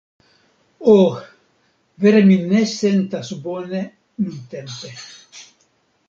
Oh... vere mi ne sentas bone nuntempe!